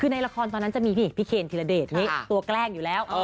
ในละครตอนนั้นจะมีนี่พี่เคนสิฮีลาเดสเนี่ยตัวกล้าแกล้งอยู่แล้ว